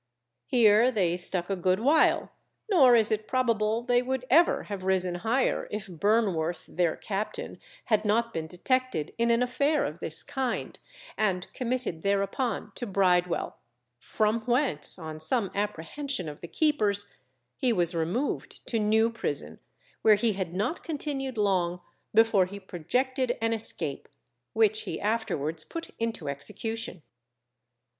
Here they stuck a good while, nor is it probable they would ever have risen higher if Burnworth, their captain, had not been detected in an affair of this kind, and committed thereupon to Bridewell, from whence, on some apprehension of the keepers, he was removed to New Prison, where he had not continued long before he projected an escape, which he afterwards put into execution.